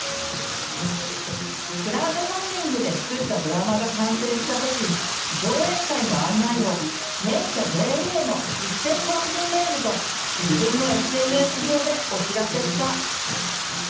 クラウドファンディングで作ったドラマが完成した時上映会の案内を支援者全員への一斉送信メールと自分のＳＮＳ上でお知らせした。